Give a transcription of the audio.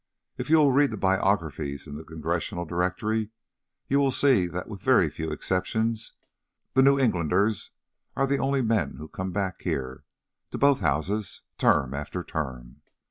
If you will read the biographies in the Congressional Directory, you will see that with a very few exceptions the New Englanders are the only men who come back here to both Houses term after term.